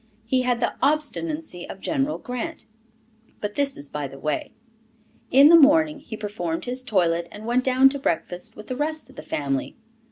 He had the obstinacy of General Grant. But this is by the way. In the morning, he performed his toilet and went down to breakfast with the rest of the family.